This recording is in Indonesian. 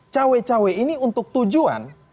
cewek cewek ini untuk tujuan